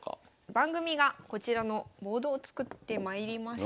番組がこちらのボードを作ってまいりました。